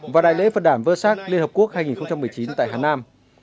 và đại lễ phật đàn vơ sát liên hợp quốc hai nghìn một mươi chín tại hà nam